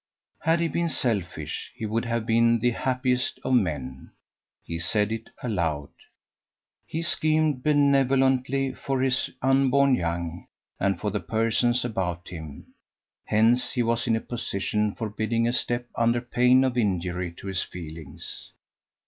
Had he been selfish, he would have been the happiest of men! He said it aloud. He schemed benevolently for his unborn young, and for the persons about him: hence he was in a position forbidding a step under pain of injury to his feelings.